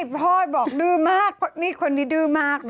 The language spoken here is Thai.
พ่อบอกดื้อมากพ่อตั้งแต่คนนี้ดื้อมาก